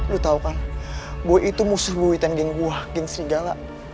lo tau kan boy itu musuh buwitan geng gue geng serigala